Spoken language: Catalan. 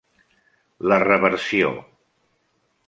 La Reversió.